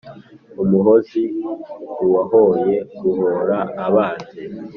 umuhozi: uwahoye (guhora) abanzi